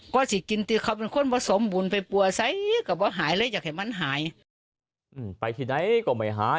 ก็สิกินที่เขาเป็นคนผสมบุญไปปั่วใสกับว่าหายเลยอยากให้มันหายไปที่ไหนก็ไม่หาย